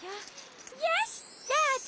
よしどうぞ！